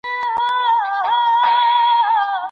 د غریبانو سره شفقت کول د مسلمان نښه ده.